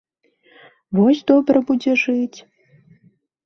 Вось добра будзе жыць!